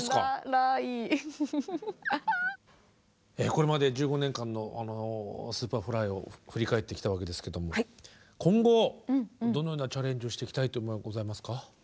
これまで１５年間のＳｕｐｅｒｆｌｙを振り返ってきたわけですけども今後どのようなチャレンジをしていきたいというのはございますか？